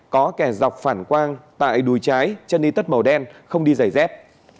có kẻ dọc phản quang tại đùi trái chân đi tất màu đen không đi giày dép